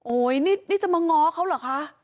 โอ้โหนี่จะมาง้อเขาเหรอคะ